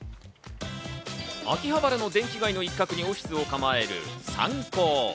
秋葉原の電気街の一角にオフィスを構えるサンコー。